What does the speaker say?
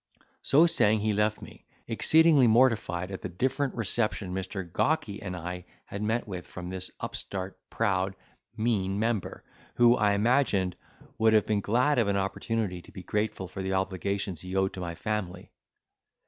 So saying, he left me, exceedingly mortified at the different reception Mr. Gawky and I had met with from this upstart, proud, mean member, who, I imagined, would have been glad of an opportunity to be grateful for the obligations he owed to my family.